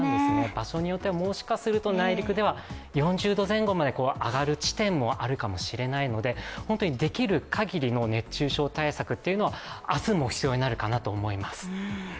場所によっては、もしかすると内陸では４０度前後まで上がる地点もあるかもしれないので、できるかぎりの熱中症対策は明日も必要になると思います。